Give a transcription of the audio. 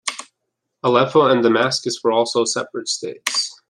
Aleppo and Damascus were also separate states.